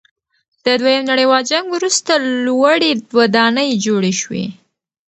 د دویم نړیوال جنګ وروسته لوړې ودانۍ جوړې شوې.